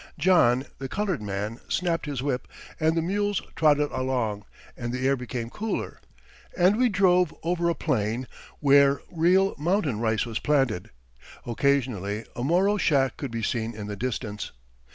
John, the coloured man, snapped his whip, and the mules trotted along, and the air became cooler, and we drove over a plain where real mountain rice was planted. Occasionally a Moro shack could be seen in the distance.